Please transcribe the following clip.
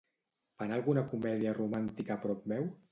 Fan alguna comèdia romàntica a prop meu?